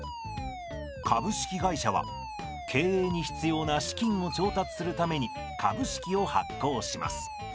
株式会社は経営に必要な資金を調達するために株式を発行します。